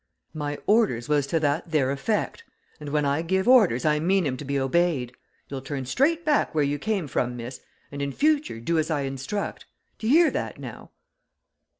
"My orders was to that there effect! And when I give orders I mean 'em to be obeyed. You'll turn straight back where you came from, miss, and in future do as I instruct d'ye hear that, now?"